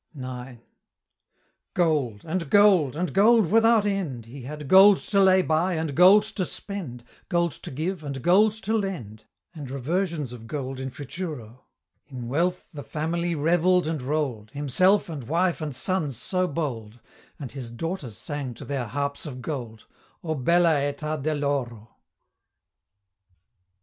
IX. Gold! and gold! and gold without end! He had gold to lay by, and gold to spend, Gold to give, and gold to lend, And reversions of gold in futuro. In wealth the family revell'd and roll'd, Himself and wife and sons so bold; And his daughters sang to their harps of gold "O bella eta del'oro!" X.